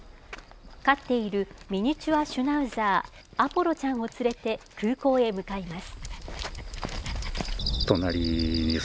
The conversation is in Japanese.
飼っているミニチュアシュナウザー、アポロちゃんを連れて、空港へ向かいます。